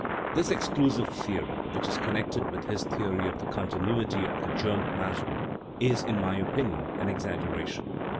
This exclusive theory, which is connected with his theory of the continuity of the germ plasm, is, in my opinion, an exaggeration.